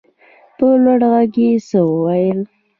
په لوړ غږ يې څه وويل.